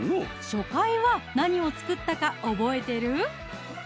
初回は何を作ったか覚えてる？